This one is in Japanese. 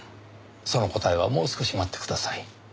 その答えはもう少し待ってください。